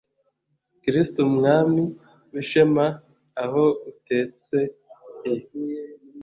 kristu mwami w'ishema, aho utetse i